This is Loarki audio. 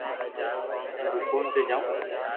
ھون دوڪون تو جاو